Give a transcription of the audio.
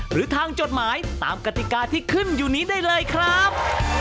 หรือทางจดหมายตามกติกาที่ขึ้นอยู่นี้ได้เลยครับ